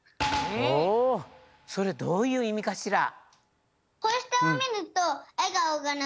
それどういういみかしら？